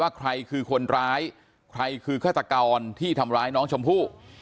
ใครคือคนร้ายใครคือฆาตกรที่ทำร้ายน้องชมพู่